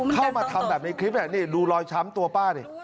เข้ามาทำแบบในคลิปนี่ดูรอยช้ำตัวป้าดิ